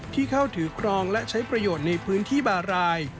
ที่เข้าถือครองและใช้ประโยชน์ในพื้นที่บาราย